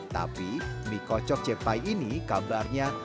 tapi mie kocok cepai ini kabarnya